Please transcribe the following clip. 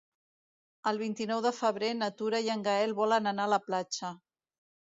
El vint-i-nou de febrer na Tura i en Gaël volen anar a la platja.